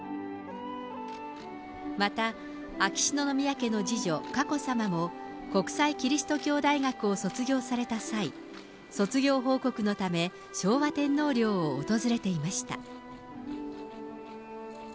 また、秋篠宮家の次女、佳子さまも、国際基督教大学を卒業された際、卒業報告のため、昭和天皇陵を訪れていました。